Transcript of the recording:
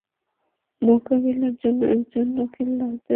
মোকাবিলার জন্য একজনও কেল্লা হতে বের হয় না।